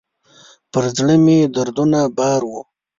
پر زړه مي دروند بار و .